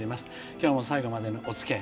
今日も最後までのおつきあい